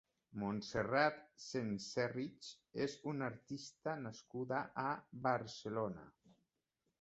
Montserrat Senserrich és una artista nascuda a Barcelona.